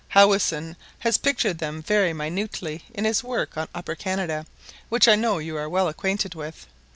Howison has pictured them very minutely in his work on Upper Canada, which I know you are well acquainted with.